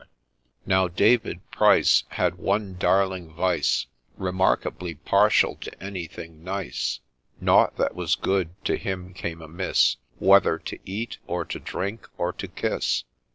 32 PATTY MORGAN THE MILKMAID'S STORY Now David Pryce Had one darling vice ; Remarkably partial to anything nice, Nought that was good to him came amiss, Whether to eat, or to drink, or to kiss